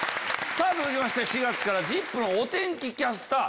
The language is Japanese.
続きまして４月から『ＺＩＰ！』のお天気キャスター。